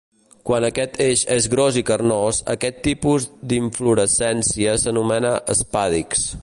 Quan aquest eix és gros i carnós aquest tipus d'inflorescència s'anomena espàdix.